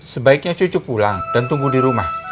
sebaiknya cucu pulang dan tumbuh di rumah